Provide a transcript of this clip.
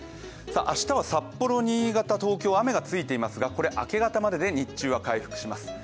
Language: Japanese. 明日は札幌、新潟、東京雨がついていますがこれ、明け方までで、日中は回復します。